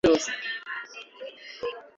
Ingingo ya kudahagarika ubucukuzi